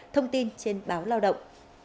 thông tin trên báo lao động